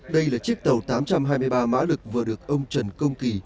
đây là chiếc tàu tám trăm hai mươi ba mã lực vừa được ông trần công kỳ